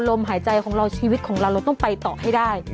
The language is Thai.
ลมหายใจของเราชีวิตของเราเราต้องไปต่อให้ได้